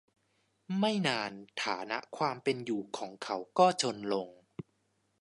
ไม่นานฐานะความเป็นอยู่ของเขาก็จนลง